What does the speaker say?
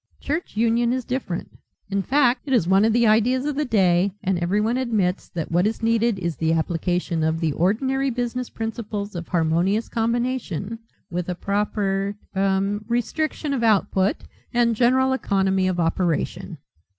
Church union is different. In fact it is one of the ideas of the day and everyone admits that what is needed is the application of the ordinary business principles of harmonious combination, with a proper er restriction of output and general economy of operation."